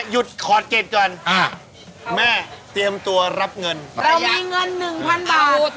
ขอดเก็ตก่อนอ่าแม่เตรียมตัวรับเงินเรามีเงินหนึ่งพันบาท